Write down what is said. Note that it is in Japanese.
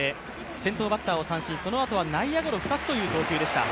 先頭を打ち取ったあとそのあとは内野ゴロ２つという投球でした。